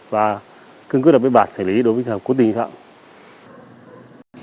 và cưng quyết đảm bảo điều kiện xử lý đối với các cơ sở thuộc diện quản lý về phòng cháy cháy cháy